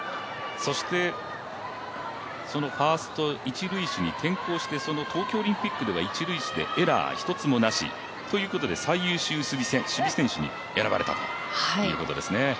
そして、ファースト一塁手に転向してその東京オリンピックでは一塁手でエラーが１つもなしということで最優秀守備選手に選ばれたということですね。